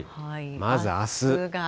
まずあす。